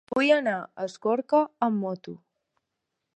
Vull anar a Escorca amb moto.